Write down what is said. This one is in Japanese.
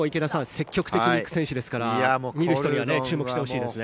積極的に行く選手ですから見る人には注目してほしいですね。